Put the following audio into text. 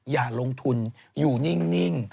อย่าลงทุนอยู่นิ่ง